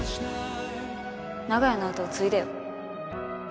長屋の後を継いでよ。